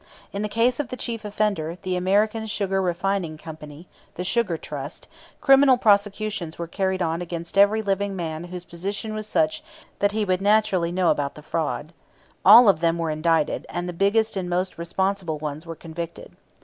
In the case of the chief offender, the American Sugar Refining Company (the Sugar Trust), criminal prosecutions were carried on against every living man whose position was such that he would naturally know about the fraud. All of them were indicted, and the biggest and most responsible ones were convicted.